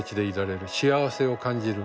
幸せを感じる。